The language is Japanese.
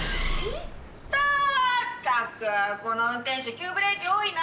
ったくこの運転手急ブレーキ多いな。